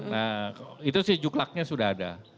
nah itu sih juklaknya sudah ada